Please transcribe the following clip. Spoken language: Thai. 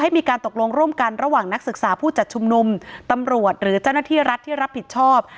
มีการตกลงร่วมกันระหว่างนักศึกษาผู้จัดชุมนุมตำรวจหรือเจ้าหน้าที่รัฐที่รับผิดชอบ